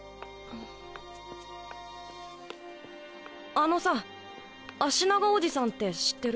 あのさ「あしながおじさん」って知ってる？